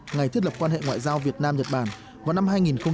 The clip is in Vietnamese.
ngày thiết lập quan hệ ngoại giao việt nam nhật bản vào năm hai nghìn một mươi